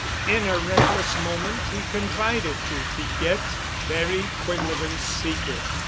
In a reckless moment he confided to Piquette Barry Quinlevin's secret.